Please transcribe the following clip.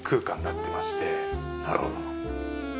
なるほど。